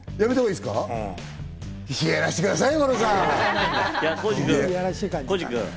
やらせてくださいよ！